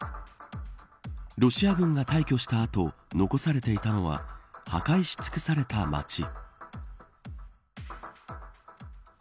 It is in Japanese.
ロシア軍が退去した後残されていたのは破壊し尽くされた町。